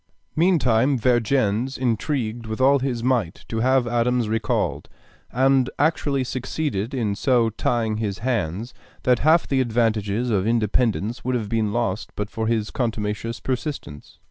Meantime Vergennes intrigued with all his might to have Adams recalled, and actually succeeded in so tying his hands that half the advantages of independence would have been lost but for his contumacious persistence.